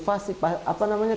mas tales didulungkan hospital